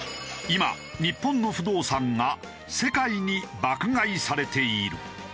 今日本の不動産が世界に爆買いされている。